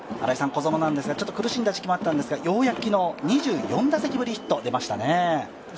小園ですが、ちょっと苦しんだ時期もありますが、昨日２４打席ぶりのヒットが出ましたね。